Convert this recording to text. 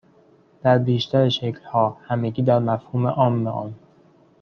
در بیشتر شکلها همگی در مفهوم عام آن